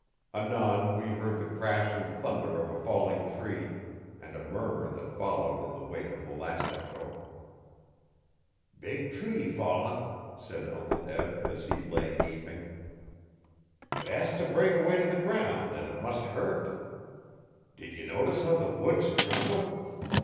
Anon we heard the crash and thunder of a falling tree and a murmur that followed in the wake of the last echo. 'Big tree fallin'!' said Uncle Eb, as he lay gaping. 'It has t' break a way t' the ground an' it must hurt. Did ye notice how the woods tremble?